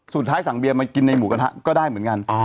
สั่งเบียร์มากินในหมูกระทะก็ได้เหมือนกัน